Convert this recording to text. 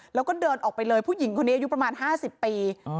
แล้วก็เดินออกไปเลยผู้หญิงคนนี้อายุประมาณ๕๐ปี